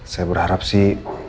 saya berharap sih